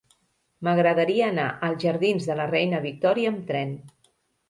M'agradaria anar als jardins de la Reina Victòria amb tren.